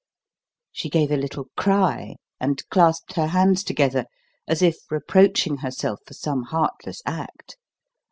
She gave a little cry, and clasped her hands together, as if reproaching herself for some heartless act.